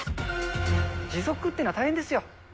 持続っていうのは大変ですよ。